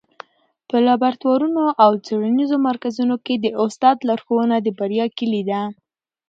په لابراتوارونو او څېړنیزو مرکزونو کي د استاد لارښوونه د بریا کيلي ده.